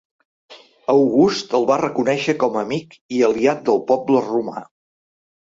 August el va reconèixer com a amic i aliat del poble romà.